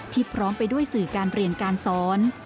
พร้อมไปด้วยสื่อการเรียนการสอน